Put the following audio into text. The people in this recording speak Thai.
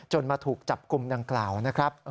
มาถูกจับกลุ่มดังกล่าวนะครับ